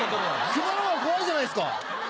熊のほうが怖いじゃないですか。